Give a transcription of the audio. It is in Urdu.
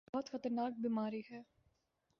بہت خطرناک بیماری ہے۔